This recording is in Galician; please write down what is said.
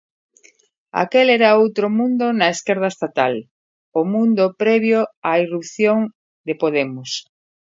Aquel era outro mundo na esquerda estatal, o mundo previo á irrupción de Podemos.